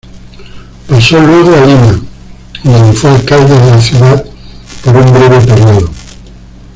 Pasó luego a Lima, donde fue alcalde de la ciudad por un breve periodo.